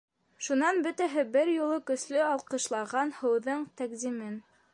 Шунан бөтәһе бер юлы көслө алҡышлаған һыуҙың тәҡдимен.